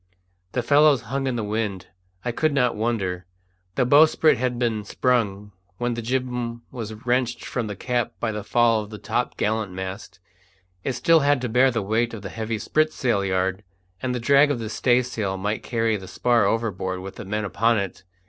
The fellows hung in the wind. I could not wonder. The bowsprit had been sprung when the jibboom was wrenched from the cap by the fall of the top gallant mast; it still had to bear the weight of the heavy spritsail yard, and the drag of the staysail might carry the spar overboard with the men upon it.